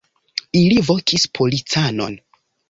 Ili vokis policanon.